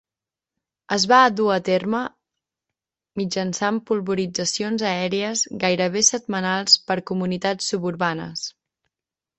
Es va dur a terme mitjançant polvoritzacions aèries gairebé setmanals per comunitats suburbanes.